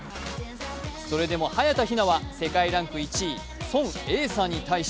それでも早田ひなは世界ランク１位孫エイ莎に対し